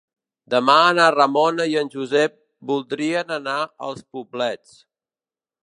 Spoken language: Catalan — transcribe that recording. Demà na Ramona i en Josep voldrien anar als Poblets.